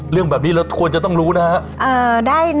เรื่องแบบนี้เราควรจะต้องรู้นะครับ